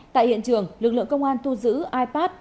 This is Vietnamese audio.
tại hiện trường lực lượng công an thu giữ ipad